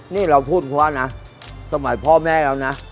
นี่เราพูดเพราะว่านะสมัยพ่อแม่เรานะ